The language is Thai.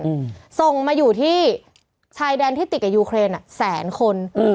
อืมส่งมาอยู่ที่ชายแดนที่ติดกับยูเครนอ่ะแสนคนอืม